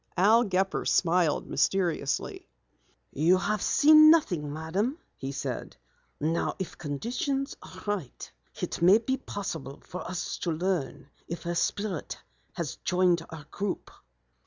Al Gepper smiled mysteriously. "You have seen nothing, Madam," he said. "Now if conditions are right, it may be possible for us to learn if a Spirit has joined our group.